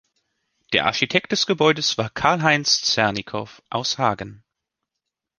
Der Architekt des Gebäudes war Karl-Heinz Zernikow aus Hagen.